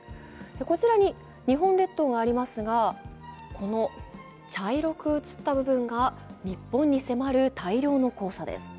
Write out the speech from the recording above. こちらに日本列島がありますが、この茶色く写った部分が日本に迫る大量の黄砂です。